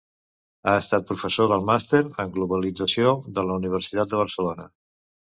Ha estat professor del màster en globalització de la Universitat de Barcelona.